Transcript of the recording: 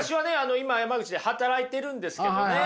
今山口で働いてるんですけどね